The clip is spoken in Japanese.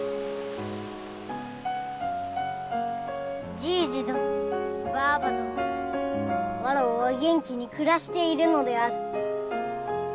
じいじどのばあばどのわらわは元気に暮らしているのである。